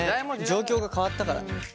状況が変わったから。